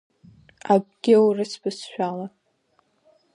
Акгьы урысбызшәала.